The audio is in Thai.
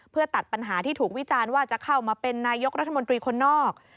เพื่อตัดปัญหาที่ถูกวิจารณ์ว่าจะเข้ามาเป็นนายกรัฐมนตรีคนนอก